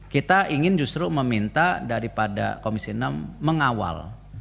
kita ingin justru meminta daripada komisi enam mengawal